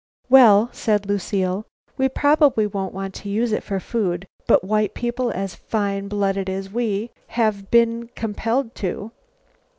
"Well," said Lucile, "we probably won't want to use it for food, but white people as fine blooded as we have been compelled to.